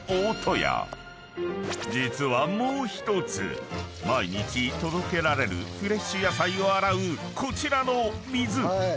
［実はもう１つ毎日届けられるフレッシュ野菜を洗うこちらの水］